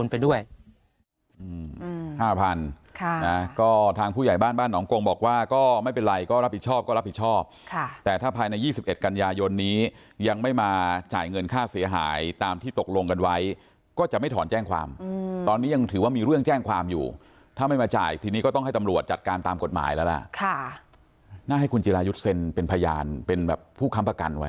ผมด้วยความตกใจไม่ใช่ว่าจะตั้งใจหนีครับผม